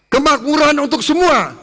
kemakmuran untuk semua